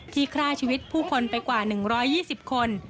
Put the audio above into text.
ฆ่าชีวิตผู้คนไปกว่า๑๒๐คน